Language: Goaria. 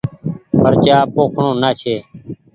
مرچآ پوکڻو نآ ڇي ۔